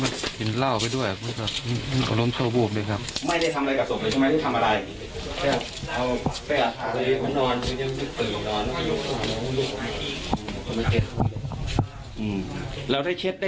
อืมแล้วถ้าได้เช็ดได้ทำอะไรศพมันได้เช็ดหน้า